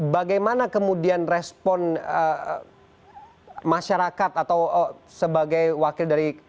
bagaimana kemudian respon masyarakat atau sebagai wakil dari